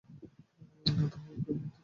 না, তোমার মুখের অভিব্যক্তি অন্যকিছু বলছে!